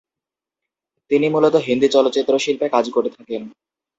তিনি মূলত হিন্দি চলচ্চিত্র শিল্পে কাজ করে থাকেন।